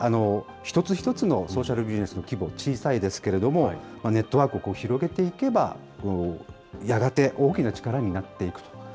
一つ一つのソーシャルビジネスの規模は小さいですけれども、ネットワークを広げていけば、やがて大きな力になっていく。